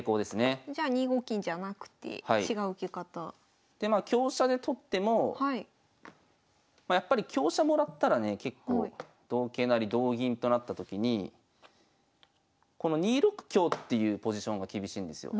じゃあ２五金じゃなくて違う受け方？でまあ香車で取ってもやっぱり香車もらったらね結構同桂成同銀となった時にこの２六香っていうポジションが厳しいんですよ。